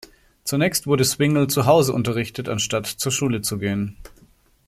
Zunächst wurde Swingle zuhause unterrichtet, anstatt zur Schule zu gehen.